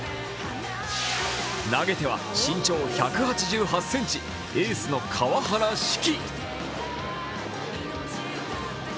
投げては、身長１８８ｃｍエースの川原嗣貴。